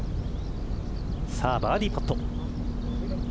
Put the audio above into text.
さあバーディーパット。